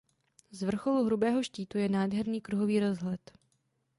Z vrcholu Hrubého štítu je nádherný kruhový rozhled.